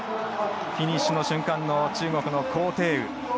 フィニッシュの瞬間の中国の高亭宇。